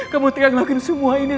kamu tinggal ngelakuin semua ini